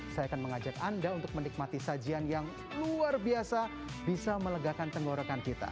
saya akan mengajak anda untuk menikmati sajian yang luar biasa bisa melegakan tenggorokan kita